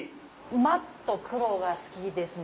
マット黒が好きですね。